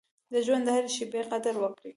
د ژوند د هرې شېبې قدر وکړئ.